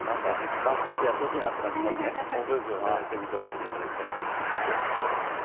ダンスやってほしいなとぜひトライしていただきたい。